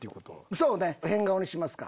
そうね変顔にしますか。